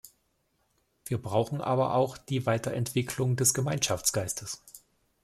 Wir brauchen aber auch die Weiterentwicklung des Gemeinschaftsgeistes.